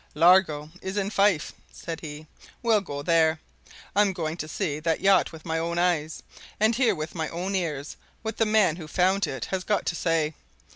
"Largo is in Fife," said he. "We'll go there. I'm going to see that yacht with my own eyes, and hear with my own ears what the man who found it has got to say.